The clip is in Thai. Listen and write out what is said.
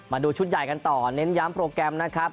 มาดูชุดใหญ่กันต่อเน้นย้ำโปรแกรมนะครับ